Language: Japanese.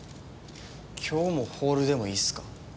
今日もホールでもいいっすか？